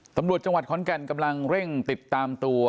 ตำรวจจังหวัดขอนแก่นกำลังเร่งติดตามตัว